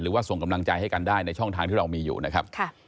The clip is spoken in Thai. ส่งกำลังใจให้กันได้ในช่องทางที่เรามีอยู่นะครับ